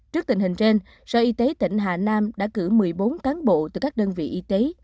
trước tình hình trên sở y tế tỉnh hà nam đã cử một mươi bốn cán bộ từ các đơn vị y tế